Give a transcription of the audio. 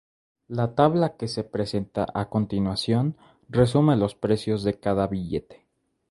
La tabla que se presenta a continuación resume los precios de cada billete.